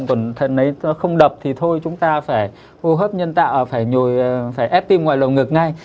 còn nếu nó không đập thì thôi chúng ta phải hô hấp nhân tạo phải ép tim ngoài lầu ngược ngay